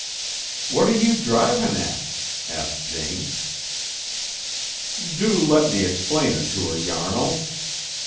"What are you drivin' at?" asked Jane. "Do let me explain it to her, Yarnall!"